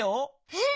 えっ！